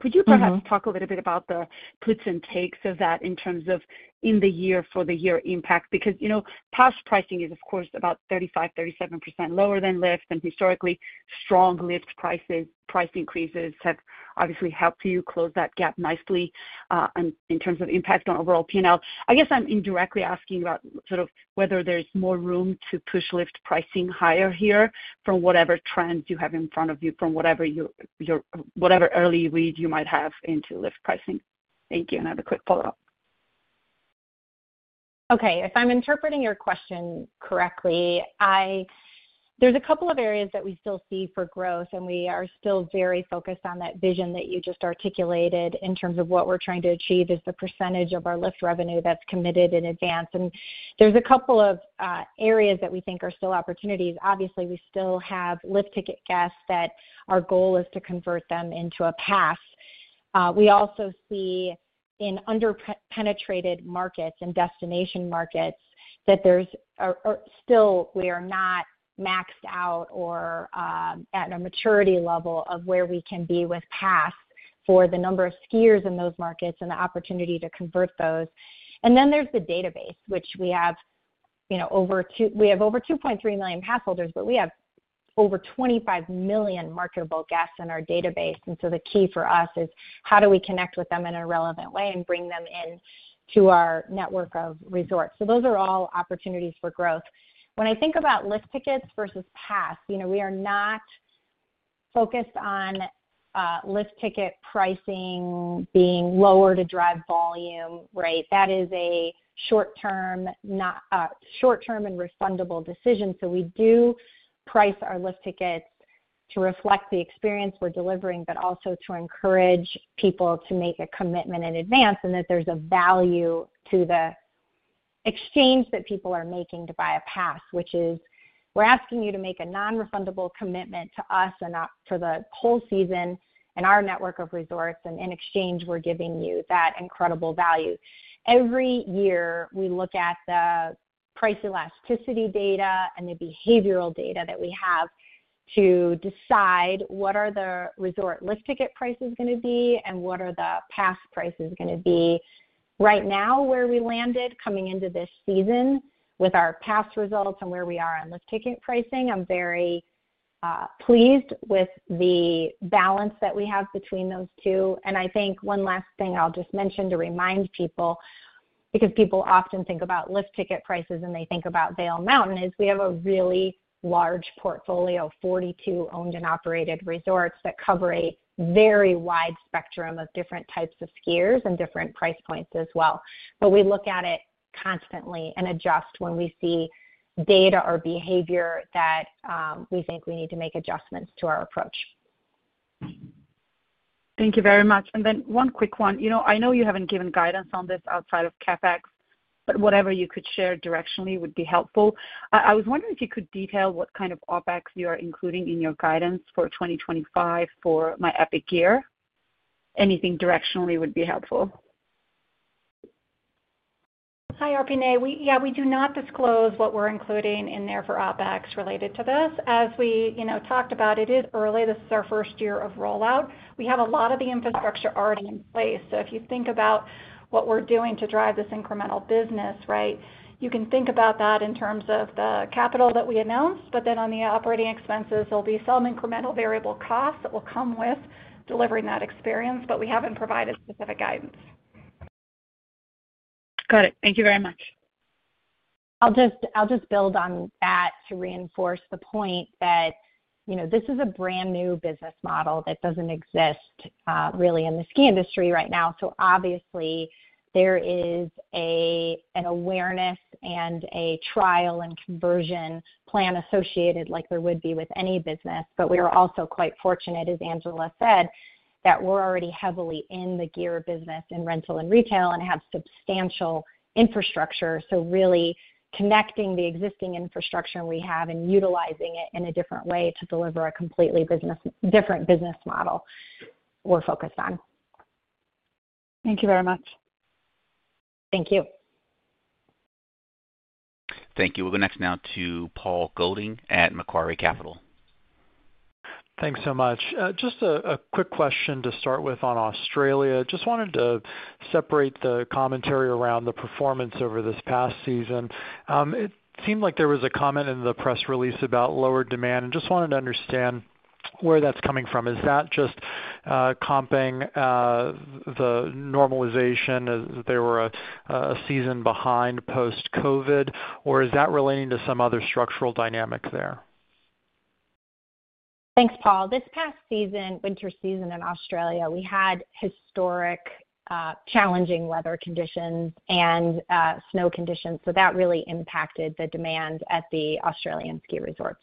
Could you perhaps talk a little bit about the puts and takes of that in terms of the year-over-year impact? Because pass pricing is, of course, about 35%-37% lower than lift. And historically, strong lift price increases have obviously helped you close that gap nicely in terms of impact on overall P&L. I guess I'm indirectly asking about sort of whether there's more room to push lift pricing higher here from whatever trends you have in front of you, from whatever early read you might have into lift pricing. Thank you, and I have a quick follow-up. Okay. If I'm interpreting your question correctly, there's a couple of areas that we still see for growth. And we are still very focused on that vision that you just articulated in terms of what we're trying to achieve is the percentage of our lift revenue that's committed in advance. And there's a couple of areas that we think are still opportunities. Obviously, we still have lift ticket guests that our goal is to convert them into a pass. We also see in under-penetrated markets and destination markets that there's still we are not maxed out or at a maturity level of where we can be with pass for the number of skiers in those markets and the opportunity to convert those. And then there's the database, which we have over 2.3 million pass holders, but we have over 25 million marketable guests in our database. And so the key for us is how do we connect with them in a relevant way and bring them into our network of resorts? So those are all opportunities for growth. When I think about lift tickets versus pass, we are not focused on lift ticket pricing being lower to drive volume, right? That is a short-term and refundable decision. So we do price our lift tickets to reflect the experience we're delivering, but also to encourage people to make a commitment in advance and that there's a value to the exchange that people are making to buy a pass, which is we're asking you to make a non-refundable commitment to us and for the whole season and our network of resorts. And in exchange, we're giving you that incredible value. Every year, we look at the price elasticity data and the behavioral data that we have to decide what are the resort lift ticket prices going to be and what are the pass prices going to be. Right now, where we landed coming into this season with our pass results and where we are on lift ticket pricing, I'm very pleased with the balance that we have between those two, and I think one last thing I'll just mention to remind people, because people often think about lift ticket prices and they think about Vail Mountain, is we have a really large portfolio of 42 owned and operated resorts that cover a very wide spectrum of different types of skiers and different price points as well. But we look at it constantly and adjust when we see data or behavior that we think we need to make adjustments to our approach. Thank you very much. And then one quick one. I know you haven't given guidance on this outside of CapEx, but whatever you could share directionally would be helpful. I was wondering if you could detail what kind of OpEx you are including in your guidance for 2025 for My Epic Gear. Anything directionally would be helpful. Hi, Arpine. Yeah, we do not disclose what we're including in there for OpEx related to this. As we talked about, it is early. This is our first year of rollout. We have a lot of the infrastructure already in place. So if you think about what we're doing to drive this incremental business, right, you can think about that in terms of the capital that we announced, but then on the operating expenses, there'll be some incremental variable costs that will come with delivering that experience, but we haven't provided specific guidance. Got it. Thank you very much. I'll just build on that to reinforce the point that this is a brand new business model that doesn't exist really in the ski industry right now. So obviously, there is an awareness and a trial and conversion plan associated like there would be with any business. But we are also quite fortunate, as Angela said, that we're already heavily in the gear business in rental and retail and have substantial infrastructure. So really connecting the existing infrastructure we have and utilizing it in a different way to deliver a completely different business model we're focused on. Thank you very much. Thank you. Thank you. We'll go next now to Paul Golding at Macquarie Capital. Thanks so much. Just a quick question to start with on Australia. Just wanted to separate the commentary around the performance over this past season. It seemed like there was a comment in the press release about lower demand. And just wanted to understand where that's coming from. Is that just comping the normalization as they were a season behind post-COVID, or is that relating to some other structural dynamic there? Thanks, Paul. This past winter season in Australia, we had historic challenging weather conditions and snow conditions. So that really impacted the demand at the Australian ski resorts.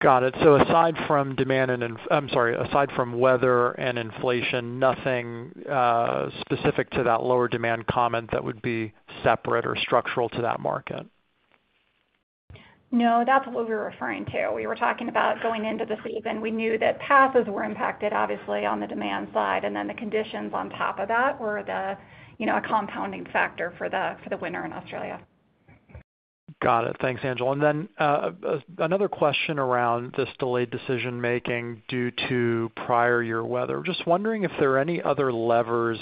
Got it. So aside from demand and I'm sorry, aside from weather and inflation, nothing specific to that lower demand comment that would be separate or structural to that market? No, that's what we were referring to. We were talking about going into the season. We knew that passes were impacted, obviously, on the demand side. And then the conditions on top of that were a compounding factor for the winter in Australia. Got it. Thanks, Angela. And then another question around this delayed decision-making due to prior year weather. Just wondering if there are any other levers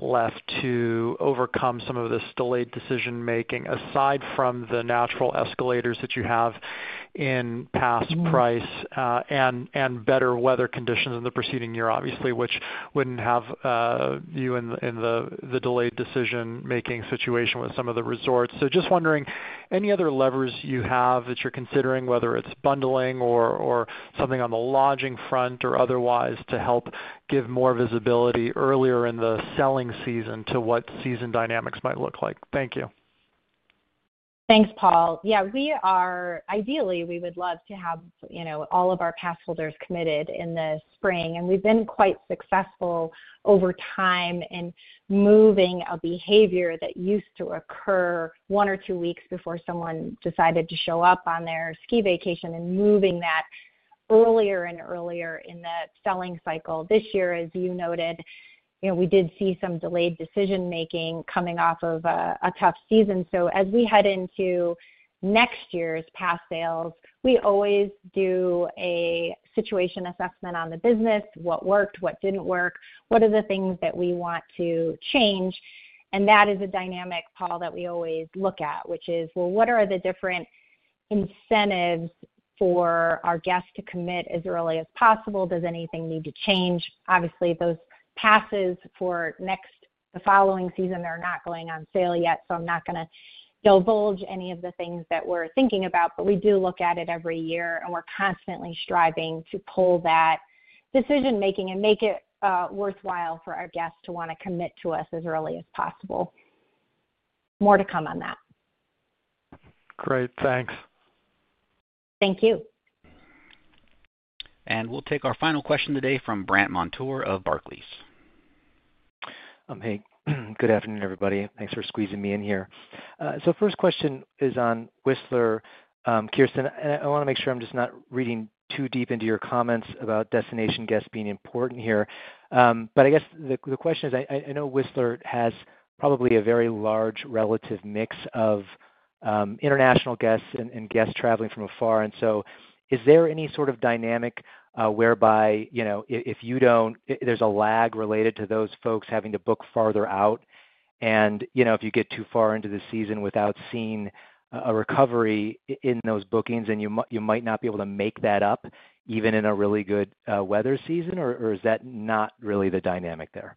left to overcome some of this delayed decision-making aside from the natural escalators that you have in pass price and better weather conditions in the preceding year, obviously, which wouldn't have you in the delayed decision-making situation with some of the resorts. So just wondering, any other levers you have that you're considering, whether it's bundling or something on the lodging front or otherwise, to help give more visibility earlier in the selling season to what season dynamics might look like? Thank you. Thanks, Paul. Yeah, ideally, we would love to have all of our pass holders committed in the spring. And we've been quite successful over time in moving a behavior that used to occur one or two weeks before someone decided to show up on their ski vacation and moving that earlier and earlier in the selling cycle. This year, as you noted, we did see some delayed decision-making coming off of a tough season. So as we head into next year's pass sales, we always do a situation assessment on the business, what worked, what didn't work, what are the things that we want to change. And that is a dynamic, Paul, that we always look at, which is, well, what are the different incentives for our guests to commit as early as possible? Does anything need to change? Obviously, those passes for the following season, they're not going on sale yet. So I'm not going to divulge any of the things that we're thinking about. But we do look at it every year. And we're constantly striving to pull that decision-making and make it worthwhile for our guests to want to commit to us as early as possible. More to come on that. Great. Thanks. Thank you. We'll take our final question today from Brant Montour of Barclays. Hey. Good afternoon, everybody. Thanks for squeezing me in here. First question is on Whistler, Kirsten. I want to make sure I'm just not reading too deep into your comments about destination guests being important here. But I guess the question is, I know Whistler has probably a very large relative mix of international guests and guests traveling from afar. So is there any sort of dynamic whereby if you don't, there's a lag related to those folks having to book farther out? And if you get too far into the season without seeing a recovery in those bookings, then you might not be able to make that up even in a really good weather season, or is that not really the dynamic there?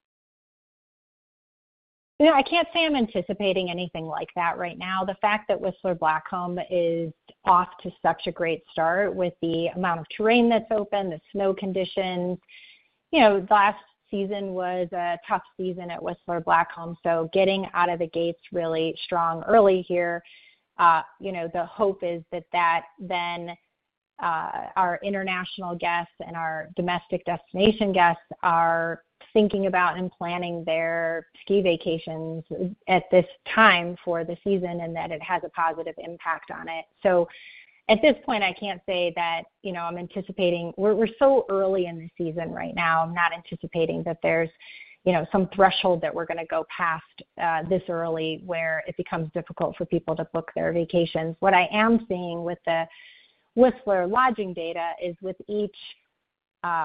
I can't say I'm anticipating anything like that right now. The fact that Whistler Blackcomb is off to such a great start with the amount of terrain that's open, the snow conditions. Last season was a tough season at Whistler Blackcomb. So getting out of the gates really strong early here, the hope is that then our international guests and our domestic destination guests are thinking about and planning their ski vacations at this time for the season and that it has a positive impact on it. So at this point, I can't say that I'm anticipating we're so early in the season right now. I'm not anticipating that there's some threshold that we're going to go past this early where it becomes difficult for people to book their vacations. What I am seeing with the Whistler lodging data is with each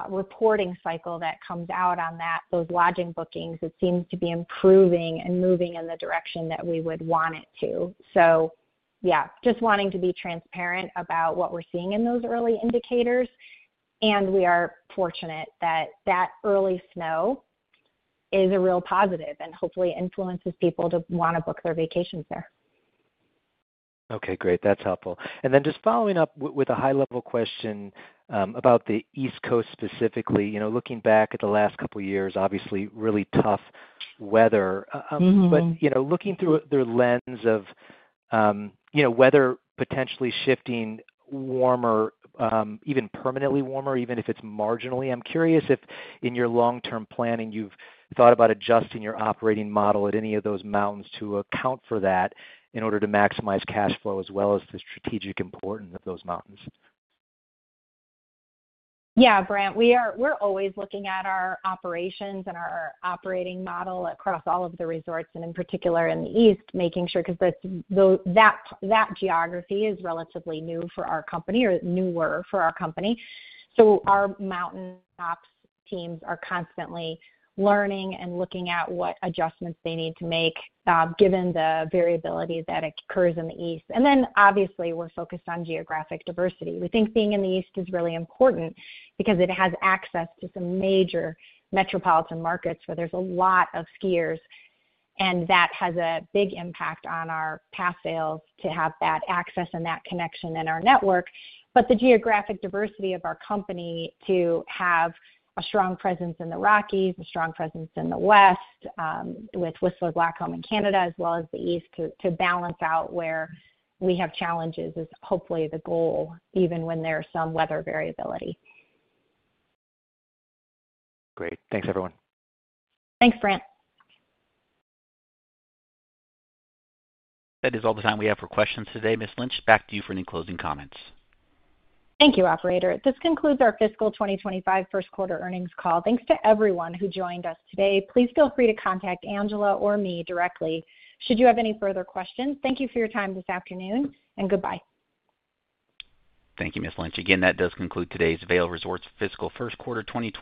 reporting cycle that comes out on that, those lodging bookings, it seems to be improving and moving in the direction that we would want it to. So yeah, just wanting to be transparent about what we're seeing in those early indicators. And we are fortunate that that early snow is a real positive and hopefully influences people to want to book their vacations there. Okay. Great. That's helpful. And then just following up with a high-level question about the East Coast specifically, looking back at the last couple of years, obviously really tough weather. But looking through their lens of weather potentially shifting warmer, even permanently warmer, even if it's marginally, I'm curious if in your long-term planning, you've thought about adjusting your operating model at any of those mountains to account for that in order to maximize cash flow as well as the strategic importance of those mountains? Yeah, Brant, we're always looking at our operations and our operating model across all of the resorts and in particular in the East, making sure because that geography is relatively new for our company or newer for our company. So our mountain ops teams are constantly learning and looking at what adjustments they need to make given the variability that occurs in the East. And then obviously, we're focused on geographic diversity. We think being in the East is really important because it has access to some major metropolitan markets where there's a lot of skiers. And that has a big impact on our pass sales to have that access and that connection in our network. But the geographic diversity of our company, to have a strong presence in the Rockies, a strong presence in the West with Whistler Blackcomb in Canada, as well as the East, to balance out where we have challenges, is hopefully the goal even when there's some weather variability. Great. Thanks, everyone. Thanks, Brant. That is all the time we have for questions today. Ms. Lynch, back to you for any closing comments. Thank you, operator. This concludes our fiscal 2025 first quarter earnings call. Thanks to everyone who joined us today. Please feel free to contact Angela or me directly should you have any further questions. Thank you for your time this afternoon and goodbye. Thank you, Ms. Lynch. Again, that does conclude today's Vail Resorts fiscal first quarter.